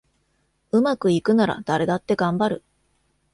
うまくいくなら誰だってがんばる